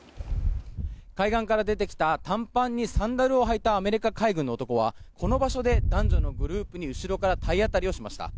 海岸から出てきた短パンにサンダルを履いたアメリカ海軍の男はこの場所で、男女のグループに後ろから体当たりをしました。